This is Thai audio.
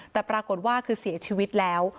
แต่ปรากฏว่าคือเสียชีวิตแล้ว